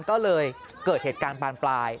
ก็เลยเกิดเหตุการณ์บานปลาย